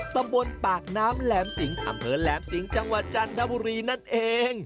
ตำบลปากน้ำแหลมสิงอำเภอแหลมสิงห์จังหวัดจันทบุรีนั่นเอง